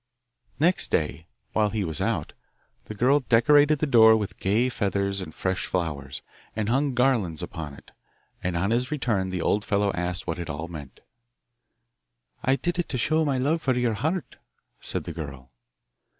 Next day, while he was out, the girl decorated the door with gay feathers and fresh flowers, and hung garlands upon it. And on his return the old fellow asked what it all meant. 'I did it to show my love for your heart,' said the girl.